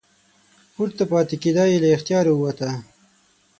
پورته پاتې کیدا یې له اختیاره ووته.